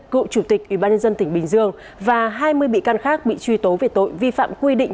cựu chủ tịch ủy ban nhân dân tỉnh bình dương và hai mươi bị can khác bị truy tố về tội vi phạm quy định